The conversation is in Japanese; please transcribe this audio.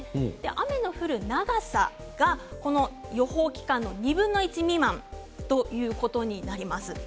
雨の降る長さがこの予報期間の２分の１未満ということになります。